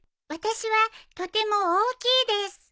私はとても大きいです。